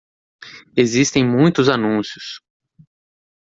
Existem muitos anúncios.